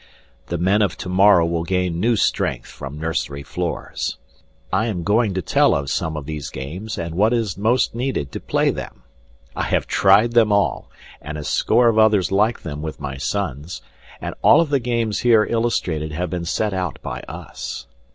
The men of tomorrow will gain new strength from nursery floors. I am going to tell of some of these games and what is most needed to play them; I have tried them all and a score of others like them with my sons, and all of the games here illustrated have been set out by us.